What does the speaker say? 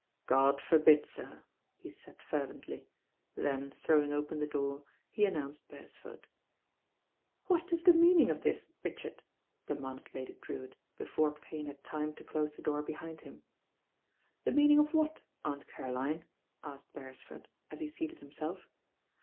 "God forbid, sir," he said fervently; then, throw mg open the door, he announced Beresford. "What is the meaning of this, Richard?" de manded Lady Drewitt, before Payne had time to close the door behind him. "The meaning of what. Aunt Caroline?" asked Beresford, as he seated himself.